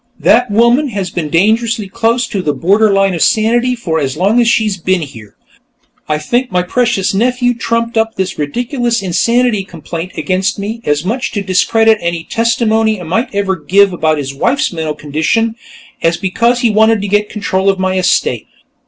"That woman has been dangerously close to the borderline of sanity for as long as she's been here. I think my precious nephew trumped up this ridiculous insanity complaint against me as much to discredit any testimony I might ever give about his wife's mental condition as because he wanted to get control of my estate.